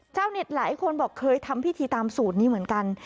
เน็ตหลายคนบอกเคยทำพิธีตามสูตรนี้เหมือนกัน